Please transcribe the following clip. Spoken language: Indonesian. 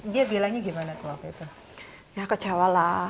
dia bilangnya gimana tuh waktu itu